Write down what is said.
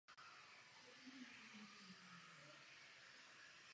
Literární kritik Joseph Kessel knihu označil za ""centrální román francouzské literatury"".